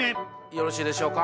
よろしいでしょうか？